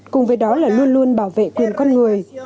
cùng với đó là luôn luôn bảo vệ quyền con người